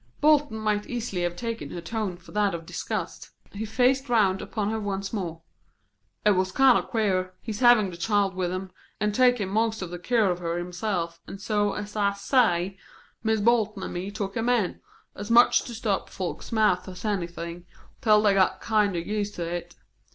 Bolton might easily have taken her tone for that of disgust. He faced round upon her once more. "It was kind of queer, his havin' the child with him, an' takin' most the care of her himself; and so, as I say, Mis' Bolton and me we took him in, as much to stop folks' mouths as anything, till they got kinder used to it.